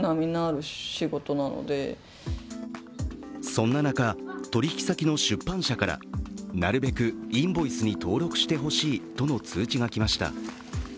そんな中、取引先の出版社からなるべくインボイスに登録してほしいとの通知が来ました。